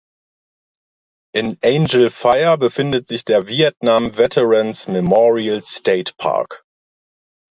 In Angel Fire befindet sich der "Vietnam Veterans Memorial State Park".